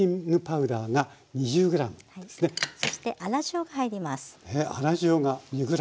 そして粗塩が入ります。